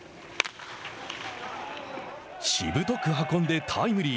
しぶとく運んでタイムリー。